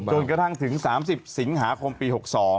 จนกระทั่งถึง๓๐สิงหาคมปี๖๒